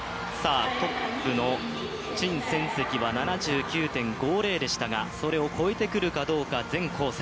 トップの陳芋汐は７９．５０でしたがそれを超えてくるかどうか全紅嬋。